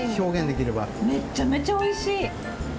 めっちゃめちゃおいしい！